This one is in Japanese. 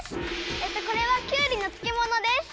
えっとこれはきゅうりのつけものです。